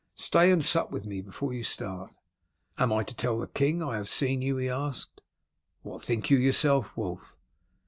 Stay and sup with me before you start." "And am I to tell the king I have seen you?" he asked. "What think you yourself, Wulf?"